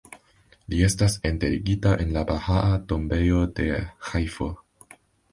Li estas enterigita en la Bahaa Tombejo de Ĥajfo.